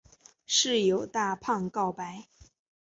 室友大胖告白。